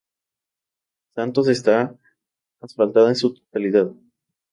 Santos está asfaltada en su totalidad.